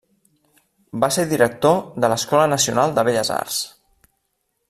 Va ser director de l'Escola Nacional de Belles arts.